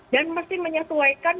dan mesti menyetuaikan